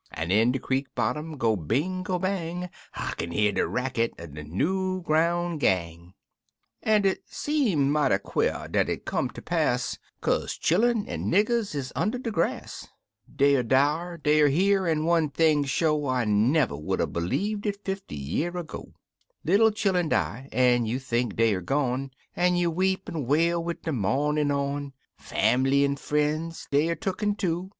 An' in de creek bo\tom—go bing.' go bang / 1 kin hear de racket er de new groun' gang. An' it seem mighty quare dat it come ter pass Kaze chillun an' niggers is under de grass — Dey er dar, dey er here, an' one thing sho, I never would 'a' b'lieved it fifty year ago I Little chillun die, an' you think dey er gone, An' you weep an' wail wid de mournin' on; Fambiy an' frien's, dey er toolten, too.